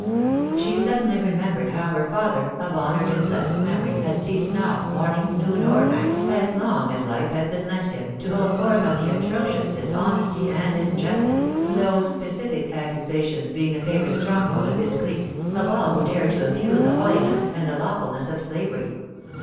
She suddenly remembered how her father, of honoured and blessed memory, had ceased not, morning, noon, or night, as long as life had been lent him, to hold forth on the atrocious dishonesty and injustice (these specific accusations being the favourite stronghold of his clique) of all those who dared to impugn the holiness and the lawfulness of slavery.